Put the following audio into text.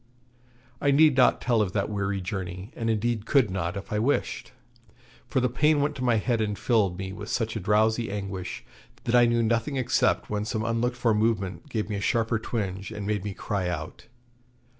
I need not tell of that weary journey, and indeed could not, if I wished; for the pain went to my head and filled me with such a drowsy anguish that I knew nothing except when some unlooked for movement gave me a sharper twinge, and made me cry out.